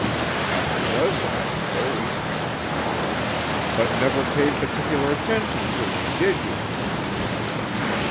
"Half a dozen, I suppose." "But never paid particular attention to me, did you?"